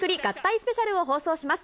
スペシャルを放送します。